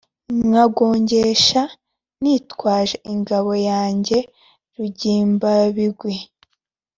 Nkagongesha nitwaje ingabo yanjye Rugimbabigwi.